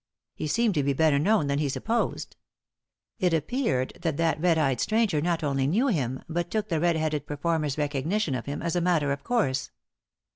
He seemed to be better known than he supposed. It appeared that that red eyed stranger not only knew him, but took the red headed performer's recognition of him as a matter of course.